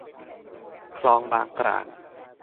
คลองบางกร่าง